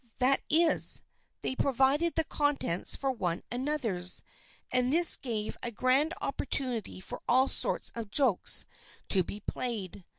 That is, they pro vided the contents for one another's, and this gave a grand opportunity for all sorts of jokes to be played.